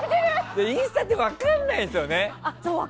インスタって分かんないんですよね。